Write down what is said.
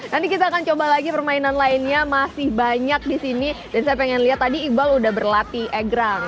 nanti kita akan coba lagi permainan lainnya masih banyak di sini dan saya pengen lihat tadi iqbal udah berlatih egrang